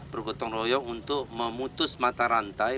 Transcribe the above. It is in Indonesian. bergotong royong untuk memutus mata rantai